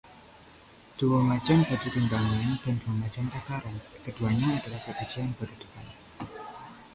Dua macam batu timbangan dan dua macam takaran, keduanya adalah kekejian bagi Tuhan.